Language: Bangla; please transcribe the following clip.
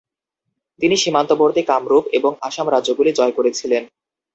তিনি সীমান্তবর্তী কামরূপ এবং আসাম রাজ্যগুলি জয় করেছিলেন।